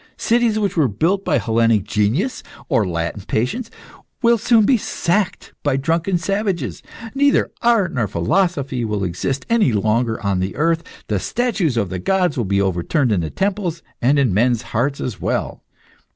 Cities which were built by Hellenic genius, or Latin patience, will soon be sacked by drunken savages. Neither art nor philosophy will exist any longer on the earth. The statues of the gods will be overturned in the temples, and in men's hearts as well.